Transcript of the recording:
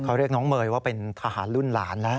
เขาเรียกน้องเมย์ว่าเป็นทหารรุ่นหลานแล้ว